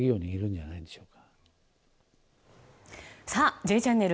「Ｊチャンネル」